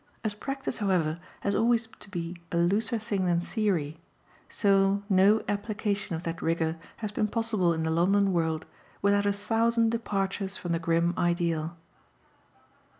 As practice, however, has always to be a looser thing than theory, so no application of that rigour has been possible in the London world without a thousand departures from the grim ideal.